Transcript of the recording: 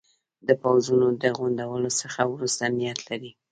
د پوځونو د غونډولو څخه وروسته نیت لري.